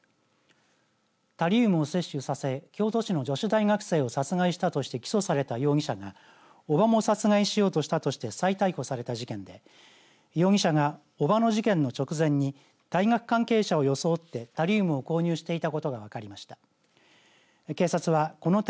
タリウムを摂取させ京都市の女子大学生を殺害したとして起訴された容疑者が叔母も殺害しようとしたとして再逮捕された事件で容疑者が叔母の事件の直前に大学関係者を装ってタリウムを購入していたことが分かりました。